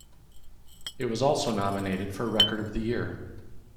It was also nominated for Record of the Year.